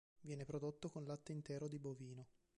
Viene prodotto con latte intero di bovino.